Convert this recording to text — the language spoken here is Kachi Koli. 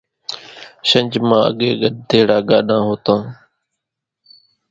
شنجھ مان اڳيَ ڳڌيڙا ڳاڏان هوتان۔